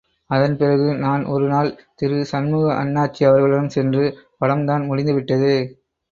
அதன் பிறகு நான் ஒரு நாள் திரு சண்முக அண்ணாச்சி அவர்களிடம் சென்று படம் தான் முடிந்துவிட்டதே.